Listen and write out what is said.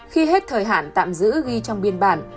khi hết thời hạn tạm giữ ghi trong biên bản